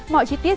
mọi chi tiết